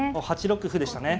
８六歩でしたね。